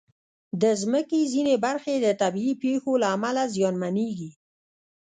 د مځکې ځینې برخې د طبعي پېښو له امله زیانمنېږي.